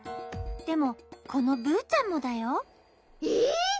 でもこのブーちゃんもだよ。えっ？